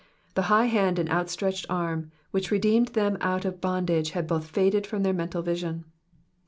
The high hand and outstretched arm which redeemed them out of bondage had both faded from their mental vision.